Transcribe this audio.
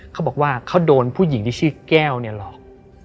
เขาบอกว่าเขาโดนผู้หญิงที่ชื่อแก้วเนี่ยหลอก